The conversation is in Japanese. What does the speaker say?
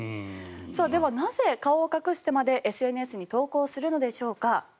ではなぜ、顔を隠してまでＳＮＳに投稿するのでしょうか。